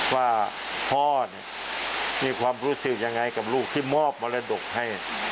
ว่าพ่อเนี่ยมีความรู้สึกยังไงกับลูกที่มอบมรดกให้